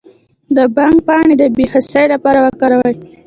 د بنګ پاڼې د بې حسی لپاره وکاروئ